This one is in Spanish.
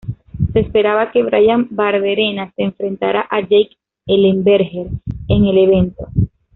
Se esperaba que Bryan Barberena se enfrentara a Jake Ellenberger en el evento.